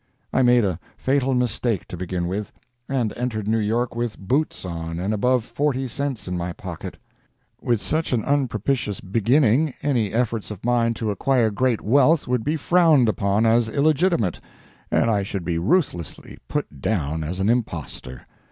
I made a fatal mistake to begin with, and entered New York with boots on and above forty cents in my pocket. With such an unpropitious beginning, any efforts of mine to acquire great wealth would be frowned upon as illegitimate, and I should be ruthlessly put down as an impostor.